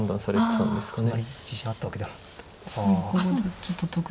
そうですね。